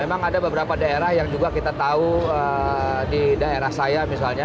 memang ada beberapa daerah yang juga kita tahu di daerah saya misalnya